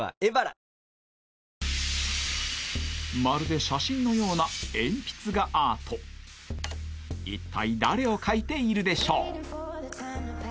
まるで写真のような一体誰を描いているでしょう？